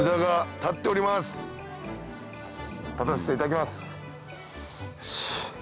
立てさせていただきます。